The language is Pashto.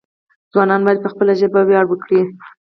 ځوانان باید په خپله ژبه ویاړ وکړي.